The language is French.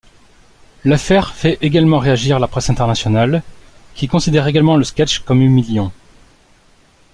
L'affaire fait également réagir la presse internationale, qui considère également le sketch comme humiliant.